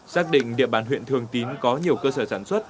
xác định địa bàn huyện thường tín có nhiều cơ sở sản xuất